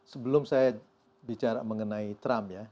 sebelum saya bicara mengenai trump ya